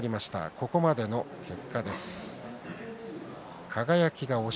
ここまでの結果です。